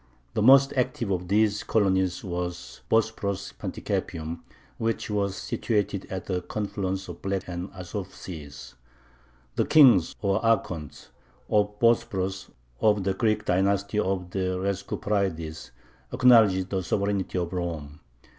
The most active of these colonies was Bosporus Panticapaeum, which was situated at the confluence of the Black and Azov Seas. The kings, or archonts, of Bosporus, of the Greek dynasty of the Rhescuporides, acknowledged the sovereignty of Rome.